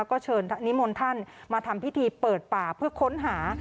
ก็เชิญนิมนต์ท่านมาทำพิธีเปิดป่าเพื่อค้นหา